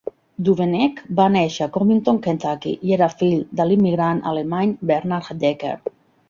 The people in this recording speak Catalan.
Duveneck va néixer a Covington, Kentucky, i era fill de l'immigrant alemany Bernhard Decker.